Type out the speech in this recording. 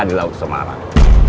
di laut semarang